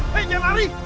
hei jangan lari